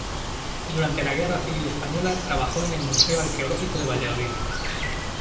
Durante la Guerra Civil Española trabajó en el Museo Arqueológico de Valladolid.